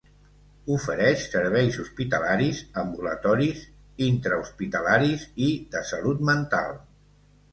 Ofereix serveis hospitalaris, ambulatoris, intrahospitalaris i de salut mental.